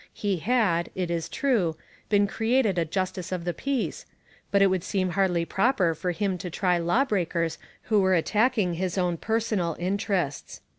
He had, it is true, been created a justice of the peace, but it would seem hardly proper for him to try lawbreakers who were attacking his own personal interests.